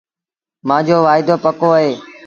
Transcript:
مآݩجو وآئيٚدوپڪو اهي